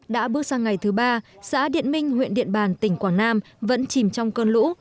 đã bước sang ngày thứ ba xã điện minh huyện điện bàn tỉnh quảng nam vẫn chìm trong cơn lũ